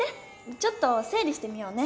ちょっとせい理してみようね。